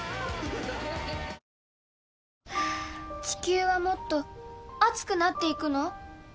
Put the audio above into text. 地球はもっと熱くなっていくの？